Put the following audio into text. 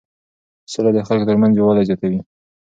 سوله د خلکو ترمنځ یووالی زیاتوي.